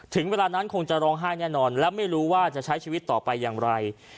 ถึงเวลานั้นคงจะร้องไห้แน่นอนและไม่รู้ว่าจะใช้ชีวิตต่อไปอย่างไร